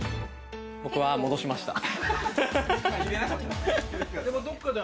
僕は戻しましたハハ。